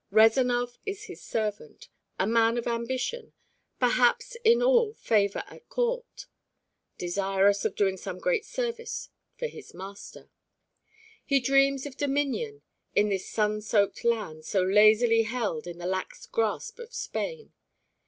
Rezanov is his servant, a man of ambition, perhaps in all favor at court, desirous of doing some great service for his master. He dreams of dominion in this sun soaked land so lazily held in the lax grasp of Spain.